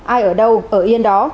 ai ở đâu ở yên đó